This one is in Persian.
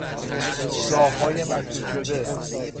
راههای مسدود شده